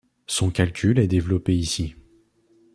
Son calcul est développé ici.